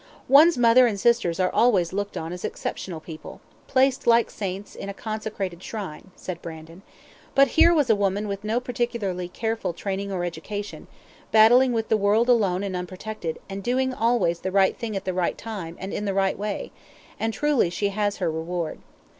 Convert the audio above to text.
"One's mother and sisters are always looked on as exceptional people placed like saints in a consecrated shrine," said Brandon; "but here was a woman with no particularly careful training or education, battling with the world alone and unprotected, and doing always the right thing at the right time, and in the right way and truly she has her reward.